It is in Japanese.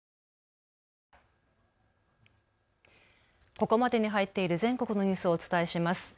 ここまでに入っている全国のニュースをお伝えします。